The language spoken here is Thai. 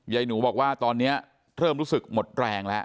ยายหนูบอกว่าตอนนี้เริ่มรู้สึกหมดแรงแล้ว